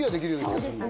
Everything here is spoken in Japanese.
そうですね。